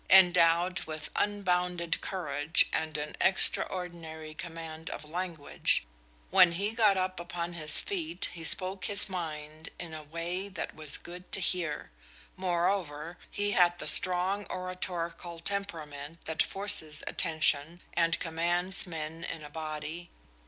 Endowed with unbounded courage and an extraordinary command of language, when he got upon his feet he spoke his mind in a way that was good to hear. Moreover, he had the strong oratorical temperament that forces attention and commands men in a body.